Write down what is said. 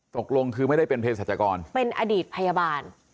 ตกลงคือไม่ได้เป็นเพศรัชกรเป็นอดีตพยาบาล